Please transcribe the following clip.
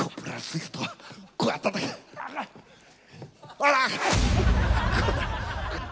ほら！